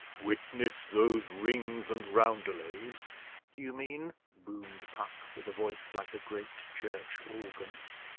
'"Witness those rings and roundelays", do you mean?' boomed Puck, with a voice like a great church organ.